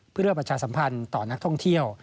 เพื่อประชาสัมพันธ์ต่อนักท่องเที่ยว